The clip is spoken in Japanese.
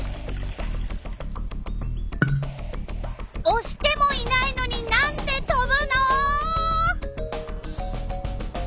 おしてもいないのになんでとぶの？